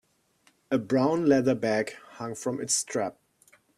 A brown leather bag hung from its strap.